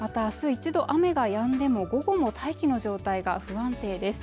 一度雨がやんでも午後も大気の状態が不安定です